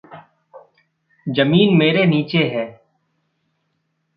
ज़मीन मेरे नीचे है।